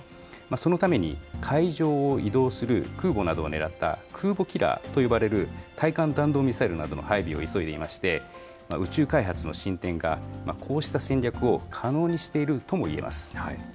そのために、海上を移動する空母などを狙った空母キラーと呼ばれる対艦弾道ミサイルなどの配備を急いでいまして、宇宙開発の進展が、こうした戦略を可能にしているともいえます。